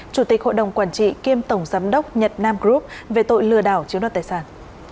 chủ tịch hội đồng quản trị kiêm tổng giám đốc nhật nam group về tội lừa đảo chiếu đoạt tài sản